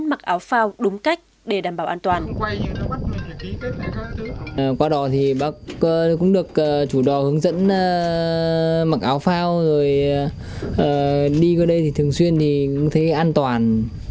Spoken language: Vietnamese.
mặc áo phao đúng cách để đảm bảo an toàn